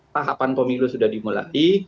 tahapan pemilu sudah dimulai